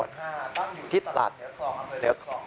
ตั้งอยู่ที่ตลาดเหนือคลองอำเภอเหนือคลอง